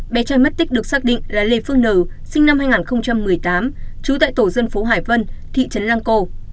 bé trai mất tích được xác định là lê phương nờ sinh năm hai nghìn một mươi tám trú tại tổ dân phố hải vân thị trấn răng cô